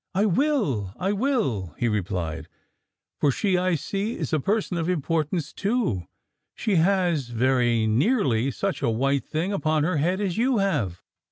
"I will, I will," he replied, "for she, I see, is a person of importance too; she has, very nearly, such a white thing upon her head as you have!"